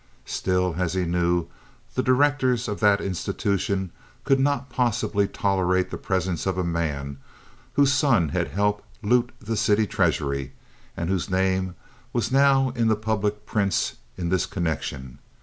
Still as he knew the directors of that institution could not possibly tolerate the presence of a man whose son had helped loot the city treasury, and whose name was now in the public prints in this connection.